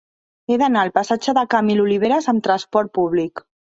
He d'anar al passatge de Camil Oliveras amb trasport públic.